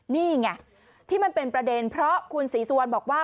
นี่ไงที่มันเป็นประเด็นเพราะคุณศรีสุวรรณบอกว่า